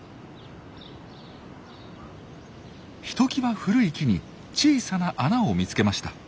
ひときわ古い木に小さな穴を見つけました。